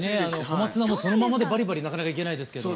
小松菜もそのままでバリバリなかなかいけないですけど。